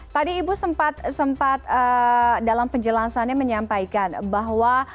tadi ibu sempat dalam penjelasannya menyampaikan bahwa